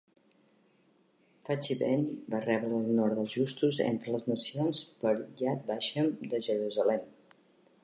Facibeni va rebre l'honor dels justos entre les nacions per Yad Vashem de Jerusalem.